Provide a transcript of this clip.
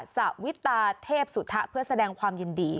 สวิตาเทพสุธะเพื่อแสดงความยินดี